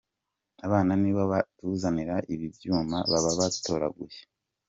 Abana nibo batuzanira ibi byuma baba batoraguye.